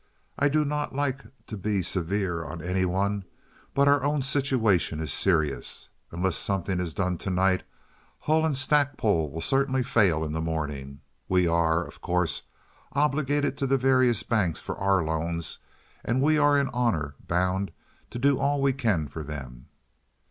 I do not like to be severe on any one, but our own situation is serious. Unless something is done to night Hull & Stackpole will certainly fail in the morning. We are, of course, obligated to the various banks for our loans, and we are in honor bound to do all we can for them.